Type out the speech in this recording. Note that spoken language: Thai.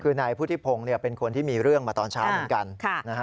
คือนายพุทธิพงศ์เป็นคนที่มีเรื่องมาตอนเช้าเหมือนกัน